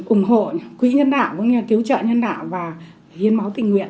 ủng hộ quỹ nhân đạo cứu trợ nhân đạo và hiến máu tình nguyện